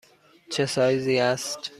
چه سایزی است؟